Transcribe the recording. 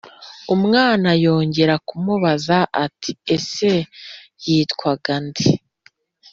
Umwana yongera kumubaza ati: "Ese yitwaga nde? "